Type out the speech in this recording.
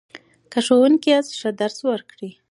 که ښوونکی یاست ښه درس ورکړئ.